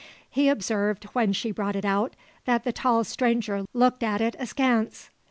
He observed, when she brought it out, that the tall stranger looked at it askance.